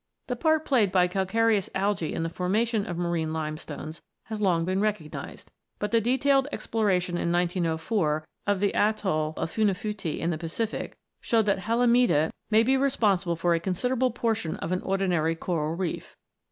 The part played by calcareous algse in the formation of marine lime stones has long been recognised ; but the detailed exploration in 1904 of the atoll of Funafuti in the Pacific showed that Halimeda may be responsible for 22 20 ROCKS AND THEIR ORIGINS [OH. a considerable portion of an ordinary "coral reef."